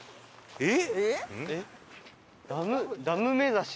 えっ？